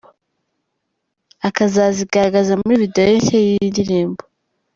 akazazigaragaza muri video ye nshya yiyi ndirimbo.